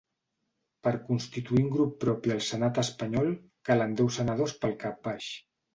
Per constituir un grup propi al senat espanyol calen deu senadors pel cap baix.